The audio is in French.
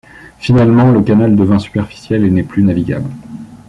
Finalement, le canal devint superficiel et n'est plus navigable.